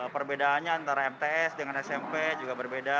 perbedaannya antara jaringan internet dan jaringan internet itu menggoda